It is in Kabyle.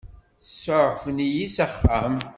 Suɛfent-iyi s axxam.